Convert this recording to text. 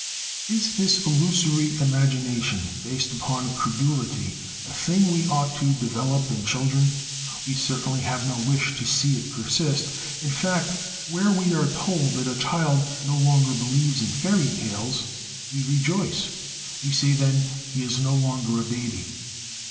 Is this illusory imagination, based upon credulity, a thing we ought to "develop" in children? We certainly have no wish to see it persist; in fact, where we are told that a child "no longer believes in fairy tales," we rejoice. We say then: "He is no longer a baby."